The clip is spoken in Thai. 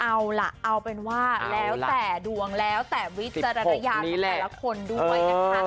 เอาล่ะเอาเป็นว่าแล้วแต่ดวงแล้วแต่วิจารณญาณของแต่ละคนด้วยนะคะ